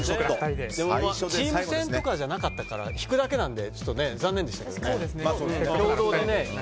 チーム戦とかじゃなかったから引くだけなので残念でしたけどね。